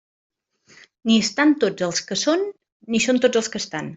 Ni estan tots els que són, ni són tots els que estan.